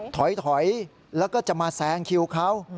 ถอยแล้วก็จะมาแซงคิวเขา